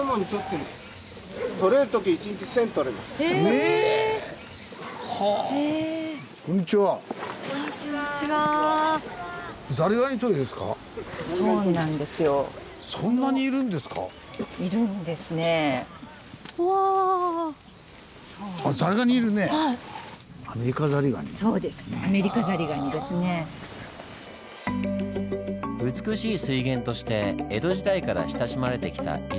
美しい水源として江戸時代から親しまれてきた井の頭池。